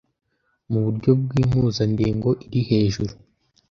Mu buryo bw'impuzandengo iri hejuru